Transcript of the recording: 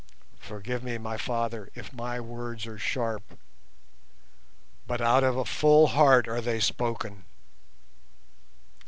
Forgive me, my father, if my words are sharp, but out of a full heart are they spoken.